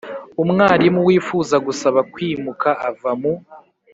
Umwarimu wifuza gusaba kwimuka ava mu